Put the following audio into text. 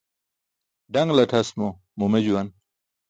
Ḍaṅltʰas mo mume juwan